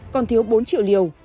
còn thiếu bốn triệu liều